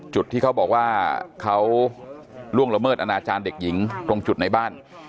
จุดที่เขาบอกว่าเขาล่วงละเมิดอนาจารย์เด็กหญิงตรงจุดในบ้าน